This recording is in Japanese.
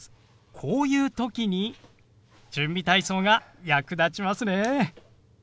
こういう時に準備体操が役立ちますね。